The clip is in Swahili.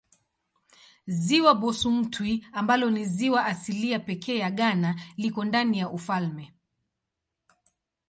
Ziwa Bosumtwi ambalo ni ziwa asilia pekee ya Ghana liko ndani ya ufalme.